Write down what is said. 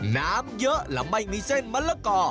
น้ำเยอะและไม่มีเส้นมะละกอ